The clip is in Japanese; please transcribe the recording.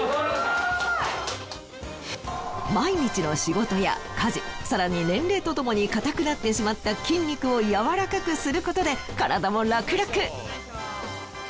毎日の仕事や家事更に年齢とともに硬くなってしまった筋肉を柔らかくすることで体もラクラク。